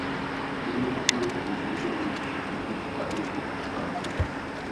uru nirwo rufunguzo rujugiro arimo gushaka